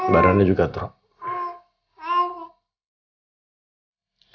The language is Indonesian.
badannya juga drop